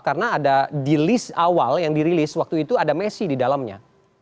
karena ada di list awal yang dirilis waktu itu ada messi di dalamnya